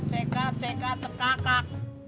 cekat cekat cekakak